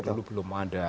ini dari dulu belum ada